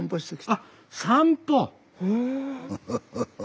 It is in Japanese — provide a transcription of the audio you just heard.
あっ散歩！